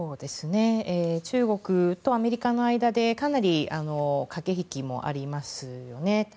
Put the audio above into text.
中国とアメリカの間でかなり駆け引きもありますよね。